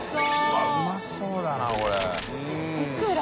わっうまそうだなこれ。